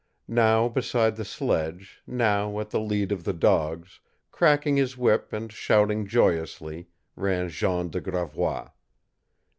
Now beside the sledge, now at the lead of the dogs, cracking his whip and shouting joyously, ran Jean de Gravois.